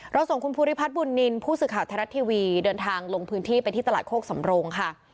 ส่งคุณภูริพัฒน์บุญนินทร์ผู้สื่อข่าวไทยรัฐทีวีเดินทางลงพื้นที่ไปที่ตลาดโคกสำโรงค่ะ